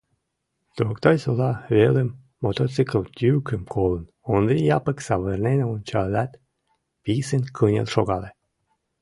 Токтай-Сола велым мотоцикл йӱкым колын, Ондри Япык савырнен ончалят, писын кынел шогале.